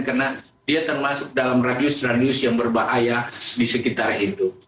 karena dia termasuk dalam radius radius yang berbahaya di sekitar itu